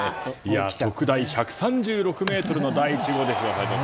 特大１３６ｍの第１号ですよ。